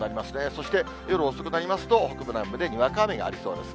そして夜遅くなりますと、北部、南部でにわか雨がありそうです。